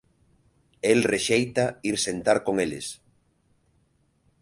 El rexeita ir sentar con eles.